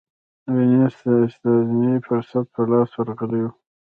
وینز ته استثنايي فرصت په لاس ورغلی و